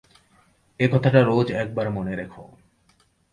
এ কথাটা রোজ একবার মনে রেখো।